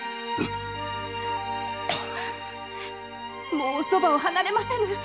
もうお側を離れませぬ。